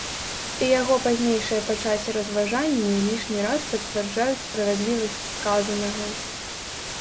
І яго пазнейшыя па часе разважанні лішні раз пацвярджаюць справядлівасць сказанага.